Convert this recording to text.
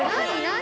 何？